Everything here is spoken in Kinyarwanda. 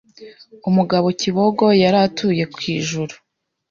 Umugabo Kibogo yari atuye ku ijuru